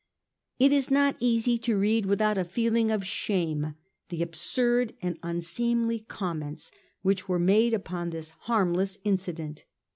It is not easy to read without a feeling of shame the absurd and un seemly comments which were made upon this harm less incident.